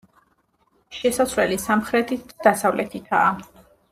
შესასვლელი სამხრეთით და დასავლეთითაა.